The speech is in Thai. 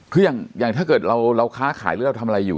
คืออย่างถ้าเกิดเราค้าขายหรือเราทำอะไรอยู่